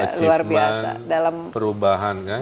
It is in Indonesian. achievement perubahan kan